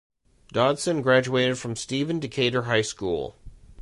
Dodson graduated from Stephen Decatur High School.